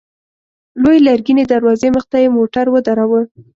لويې لرګينې دروازې مخته يې موټر ودراوه.